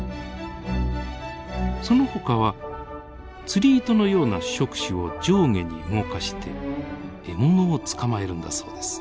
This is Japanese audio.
そのほかは釣り糸のような触手を上下に動かして獲物を捕まえるんだそうです。